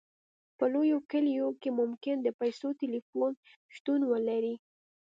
په لویو کلیو کې ممکن د پیسو ټیلیفون شتون ولري